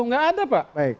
gak ada pak